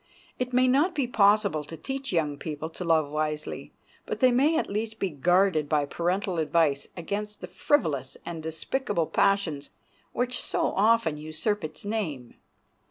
It may not be possible to teach young people to love wisely, but they may at least be guarded by parental advice against the frivolous and despicable passions which so often usurp its name.